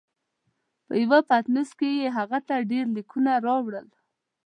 په یوه پتنوس کې یې هغه ته ډېر لیکونه راوړل.